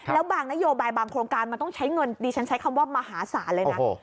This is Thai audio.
แล้วบางนโยบายบางโครงการมันต้องใช้เงินดิฉันใช้คำว่ามหาศาลเลยนะ